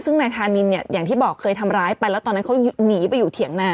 ซึ่งนายธานินเนี่ยอย่างที่บอกเคยทำร้ายไปแล้วตอนนั้นเขาหนีไปอยู่เถียงนา